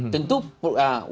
tentu wakil yang bisa merangkul